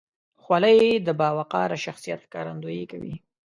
خولۍ د باوقاره شخصیت ښکارندویي کوي.